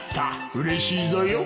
うれしいぞよ。